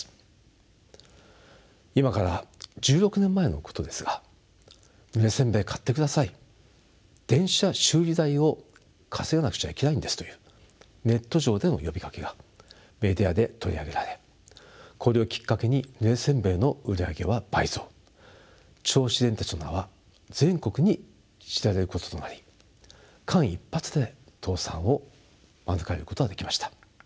今から１６年前のことですが「ぬれ煎餅買ってください電車修理代を稼がなくちゃいけないんです」というネット上での呼びかけがメディアで取り上げられこれをきっかけにぬれ煎餅の売り上げは倍増銚子電鉄の名は全国に知られることとなり間一髪で倒産を免れることができました。